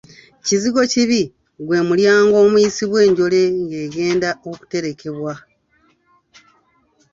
Kizigokibi gwe mulyango omuyisibwa enjole ng'egenda okuterekebwa.